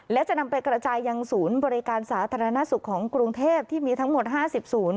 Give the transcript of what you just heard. และจะนำไปกระจายยังศูนย์บริการสาธารณสุขของกรุงเทพที่มีทั้งหมด๕๐ศูนย์